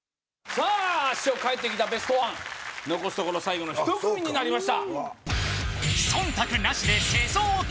さあ師匠帰ってきたベストワン残すところ最後の１組になりました